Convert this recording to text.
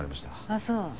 あっそう。